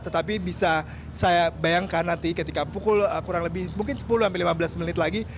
tetapi bisa saya bayangkan nanti ketika pukul kurang lebih mungkin sepuluh sampai lima belas menit lagi